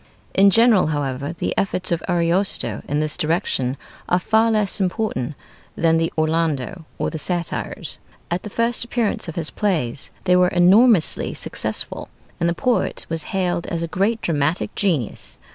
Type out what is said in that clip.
In general, however, the efforts of Ariosto in this direction are far less important than the 'Orlando' or the 'Satires.' At the first appearance of his plays they were enormously successful, and the poet was hailed as a great dramatic genius.